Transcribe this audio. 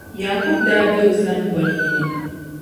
Yaakubu daa be o sani goli yini.